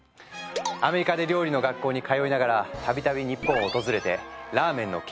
アメリカで料理の学校に通いながら度々日本を訪れてラーメンの研究を重ね